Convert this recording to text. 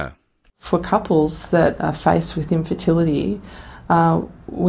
untuk laki laki yang terhadap infertilitas